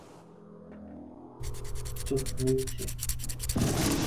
চোখ নীলচে।।